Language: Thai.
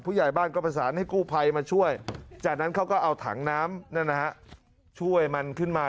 ผู้ใหญ่บ้านก็ประสานให้กู้ภัยมาช่วยจากนั้นเขาก็เอาถังน้ำช่วยมันขึ้นมา